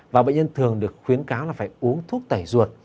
và bệnh nhân thường được khuyến cáo là phải uống thuốc tẩy ruột